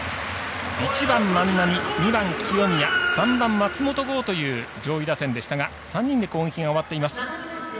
１番、万波、２番、清宮３番、松本剛という上位打線でしたが３人で攻撃が終わっています。